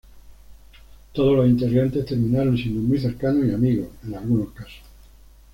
Todos los integrantes terminaron siendo muy cercanos y amigos, en algunos casos.